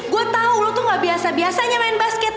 gue tau lo tuh gak biasa biasanya main basket